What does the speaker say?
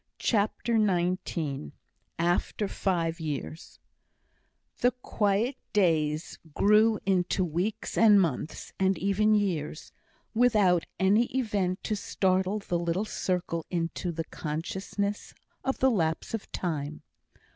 CHAPTER XIX After Five Years The quiet days grew into weeks and months, and even years, without any event to startle the little circle into the consciousness of the lapse of time.